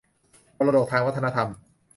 มรดกทางวัฒนธรรม